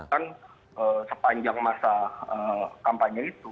kan sepanjang masa kampanye itu